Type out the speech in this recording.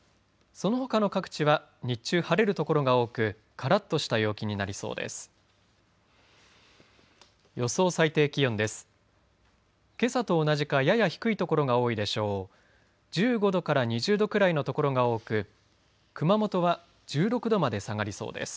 そのほかの各地は日中晴れる所が多くからっとした陽気になりそうです。